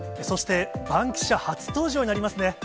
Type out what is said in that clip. そしてバンキシャ初登場になりますね。